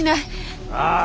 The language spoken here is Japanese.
ああ！